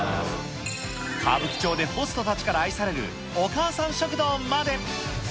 歌舞伎町でホストたちから愛されるお母さん食堂まで。